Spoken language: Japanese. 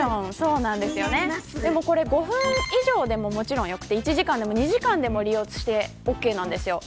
５分以上でも、もちろんよくて１時間でも２時間でも利用してオーケーなんです。